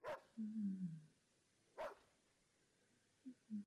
Rok mu přinesl i velmi vážné zdravotní problémy.